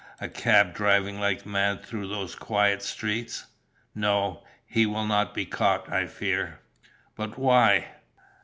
A cab driving like mad through those quiet streets?" "No. He will not be caught, I fear." "But why?"